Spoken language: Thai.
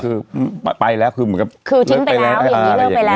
คือไปแล้วคือเหมือนกับคือทิ้งไปแล้วอะไรอย่างนี้เลิกไปแล้ว